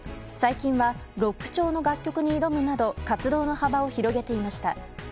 最近はロック調の楽曲に挑むなど活動の幅を広げていました。